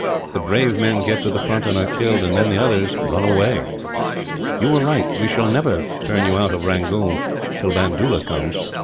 The brave men get to the front, and are killed; and then the others run away. "You were right. We shall never turn you out of Rangoon, till Bandoola comes.